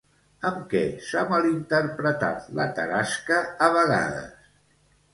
Amb què s'ha malinterpretat la Tarasca a vegades?